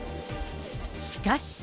しかし。